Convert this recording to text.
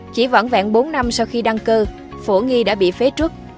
chỉ vẫn vẹn bốn năm sau khi đăng cơ phổ nghi đã bị phế truất